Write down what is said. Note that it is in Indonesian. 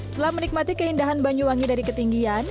setelah menikmati keindahan banyuwangi dari ketinggian